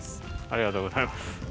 ありがとうございます。